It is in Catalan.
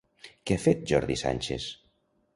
Què ha fet Jordi Sànchez?